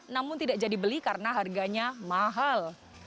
namun tidak jadi beli karena harganya mahal